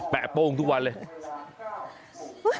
โป้งทุกวันเลย